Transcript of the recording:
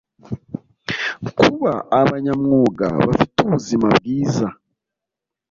kuba abanyamwuga bafite ubuzima bwiza